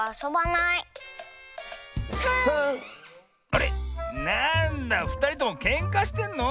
なんだふたりともけんかしてんの？